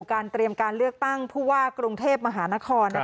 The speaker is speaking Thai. เตรียมการเลือกตั้งผู้ว่ากรุงเทพมหานคร